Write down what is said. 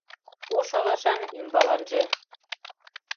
Ош алашан ӱмбаланже